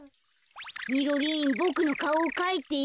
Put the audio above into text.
みろりんボクのかおをかいて。